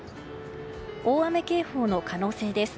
大雨警報の可能性です。